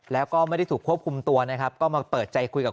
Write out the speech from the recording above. แล้วก็ไม่ได้ถูกควบคุมตัวนะครับก็มาเปิดใจคุยกับ